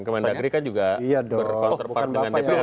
kemendakri kan juga berpauter part dengan dpr